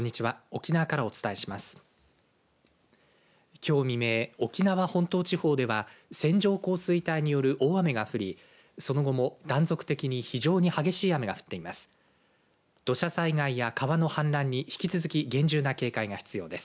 きょう未明、沖縄本島地方では線状降水帯による大雨が降りその後も断続的に非常に激しい雨が降っています。